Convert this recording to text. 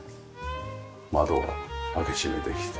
窓開け閉めできて。